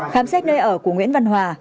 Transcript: khám xét nơi ở của nguyễn văn hòa